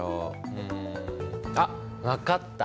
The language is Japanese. うん。あっ分かった！